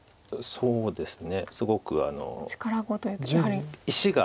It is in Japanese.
そうですね。